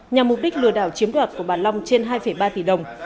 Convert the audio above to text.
nhằm mục đích lừa đảo chiếm đoạt của bà long trên hai ba tỷ đồng